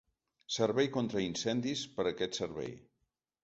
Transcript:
Servei contra incendis per aquest servei.